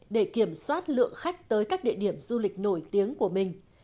để kiểm soát lượng khách tới các địa điểm du lịch nổi tiếng của mình